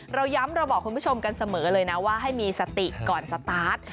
เราย้ำเราบอกคุณผู้ชมกันเสมอเลยนะว่าให้มีสติก่อนสตาร์ท